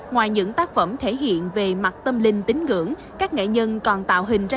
ngoài những tác phẩm thể hiện về mặt tâm linh tính ngưỡng các nghệ nhân còn tạo hình ra